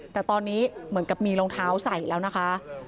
แต่ตอนนี้เหมือนกับมีรองเท้าใส่แล้วนะคะ